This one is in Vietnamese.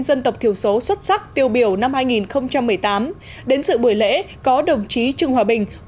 dân tộc thiểu số xuất sắc tiêu biểu năm hai nghìn một mươi tám đến sự buổi lễ có đồng chí trương hòa bình